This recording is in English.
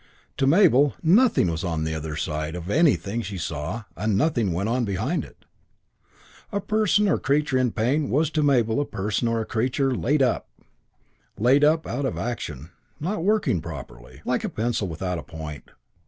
To Mabel nothing was on the other side of anything she saw and nothing went on behind it. A person or a creature in pain was to Mabel a person or a creature "laid up." Laid up out of action not working properly: like a pencil without a point.